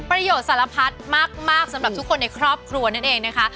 สารพัดมากสำหรับทุกคนในครอบครัวนั่นเองนะคะ